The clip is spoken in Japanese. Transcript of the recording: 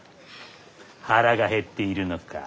腹が減っているのか。